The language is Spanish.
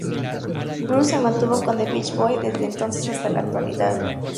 Bruce se mantuvo con The Beach Boys desde ese entonces hasta la actualidad.